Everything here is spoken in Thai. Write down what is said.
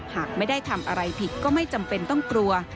หากไม่ได้ทำอะไรผิดก็ไม่จำเป็นต้องกลัว